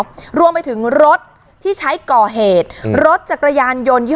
สลับผัดเปลี่ยนกันงมค้นหาต่อเนื่อง๑๐ชั่วโมงด้วยกัน